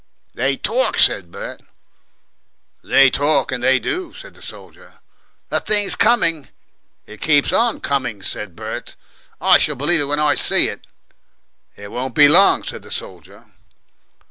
"They TORK," said Bert. "They talk and they do," said the soldier. "The thing's coming " "It keeps ON coming," said Bert; "I shall believe when I see it." "That won't be long," said the soldier.